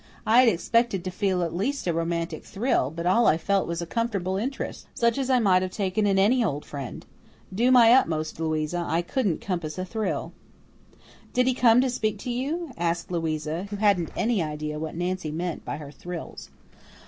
I had expected to feel at least a romantic thrill, but all I felt was a comfortable interest, such as I might have taken in any old friend. Do my utmost, Louisa, I couldn't compass a thrill." "Did he come to speak to you?" asked Louisa, who hadn't any idea what Nancy meant by her thrills.